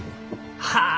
はあ